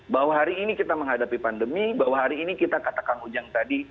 bahwa hari ini kita menghadapi pandemi bahwa hari ini kita kata kang ujang tadi